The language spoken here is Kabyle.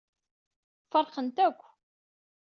Feṛqen-t akk.